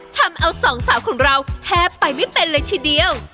ทำเอาสองสาวของเราแทบไปไม่เป็นเลยทีเดียว